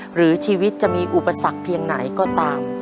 หรือชีวิตจะมีอุปสรรคเพียงไหนก็ตาม